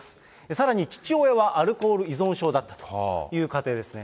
さらに父親はアルコール依存症だったという家庭ですね。